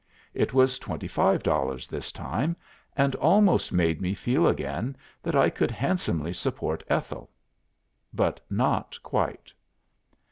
It was twenty five dollars this time, and almost made me feel again that I could handsomely support Ethel. But not quite.